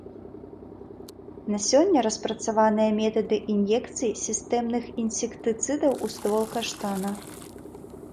На сёння распрацаваныя метады ін'екцыі сістэмных інсектыцыдаў у ствол каштана.